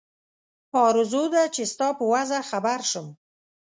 آرزو ده چې ستا په وضع خبر شم.